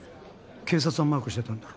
警察もマークしてたんだろ？